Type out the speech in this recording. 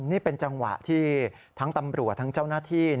นี่เป็นจังหวะที่ทั้งตำรวจทั้งเจ้าหน้าที่